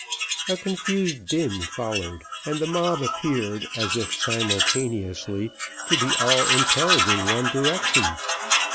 A confused din followed, and the mob appeared, as if simultaneously, to be all impelled in one direction.